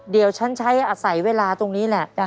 เดี๋ยวฉันใช้อาศัยเวลาตรงนี้แหละ